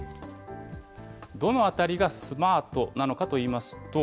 どのあたりがスマートなのかといいますと。